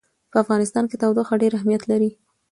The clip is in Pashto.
په افغانستان کې تودوخه ډېر اهمیت لري.